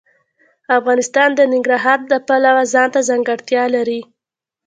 افغانستان د ننګرهار د پلوه ځانته ځانګړتیا لري.